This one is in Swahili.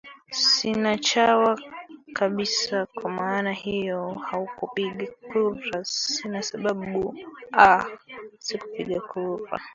sinachawa kabisa kwa maana hiyo haukupiga kura sina sababu aa sikupiga kura